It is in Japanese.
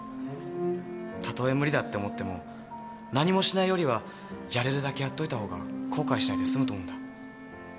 たとえ無理だって思っても何もしないよりはやれるだけやっといたほうが後悔しないで済むと思うんだ。